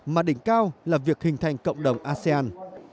mà đỉnh cao là việc hình thành cộng đồng asean